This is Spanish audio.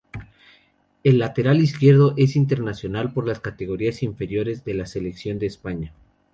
El lateral izquierdo es internacional por las categorías inferiores de la Selección de España.